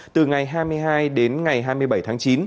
từ ngày hai mươi hai đến ngày hai mươi bảy tháng chín